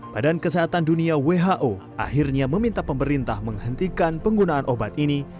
badan kesehatan dunia who akhirnya meminta pemerintah menghentikan penggunaan obat ini